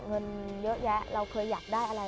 เงินเยอะแยะเราเคยอยากได้อะไร